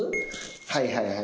はいはいはい。